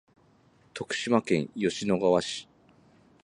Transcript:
徳島県吉野川市